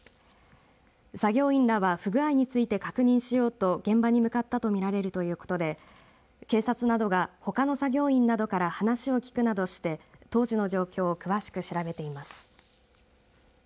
作業員らは不具合について確認しようと現場に向かったと見られるということで警察などがほかの作業員などから話を聞くなどして当時の状況を詳しく調べています。